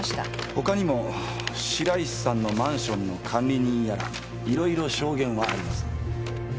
ほかにも白石さんのマンションの管理人やらいろいろ証言はあります。